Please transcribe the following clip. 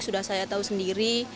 sudah saya tahu sendiri